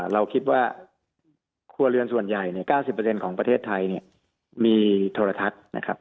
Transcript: เราคิดว่าครัวเรือนส่วนใหญ่๙๐ของประเทศไทยมีโทรทัศน์นะครับ